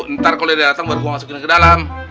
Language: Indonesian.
ntar kalau dia datang baru gue masukin ke dalam